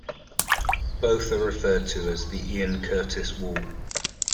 Both are referred to as "The Ian Curtis Wall".